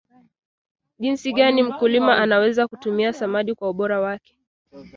jinsi gani mkulima anaweza kutumia samadi kwa ubora wake